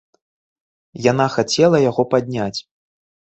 Яна хацела яго падняць.